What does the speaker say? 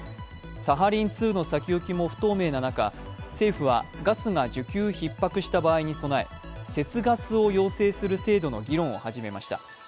サハリン２の先行きも不透明な中、政府はガスが需給ひっ迫した場合に備え節ガスを要請する制度の議論を始めました。